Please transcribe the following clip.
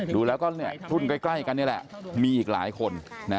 ดูแล้วก็รุ่นใกล้กันนี่แหละมีอีกหลายคน